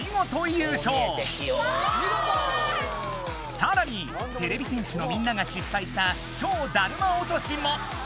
さらにてれび戦士のみんなが失敗した「超だるま落とし」も。